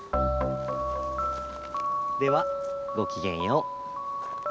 ではごきげんよう。